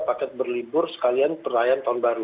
paket berlibur sekalian perayaan tahun baru